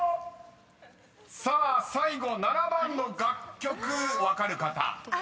［さあ最後７番の楽曲分かる方］